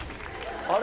あれ？